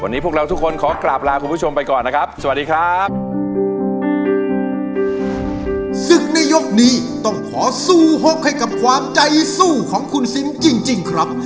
ในยกนี้ต้องขอสู้หกให้กับความใจสู้ของคุณสินจริงครับ